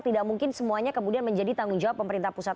tidak mungkin semuanya kemudian menjadi tanggung jawab pemerintah pusat